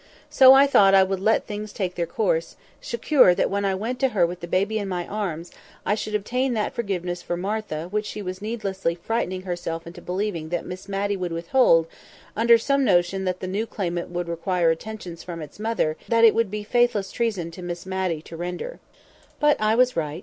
So I thought I would let things take their course, secure that when I went to her with the baby in my arms, I should obtain that forgiveness for Martha which she was needlessly frightening herself into believing that Miss Matty would withhold, under some notion that the new claimant would require attentions from its mother that it would be faithless treason to Miss Matty to render. But I was right.